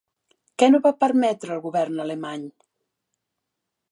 Què no va permetre el govern alemany?